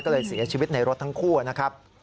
ก็เลยเสียชีวิตในรถทั้งคู่นะครับ